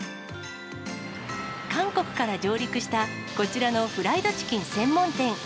韓国から上陸した、こちらのフライドチキン専門店。